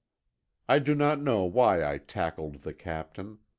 I do not know why I tackled the captain.